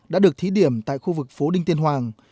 đã được thí điểm tại khu vực phố đinh tiên hoàng